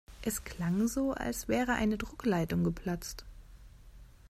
Es klang so, als wäre eine Druckleitung geplatzt.